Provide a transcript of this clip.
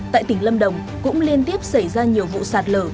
tại tỉnh lâm đồng cũng liên tiếp xảy ra nhiều vụ sạt lở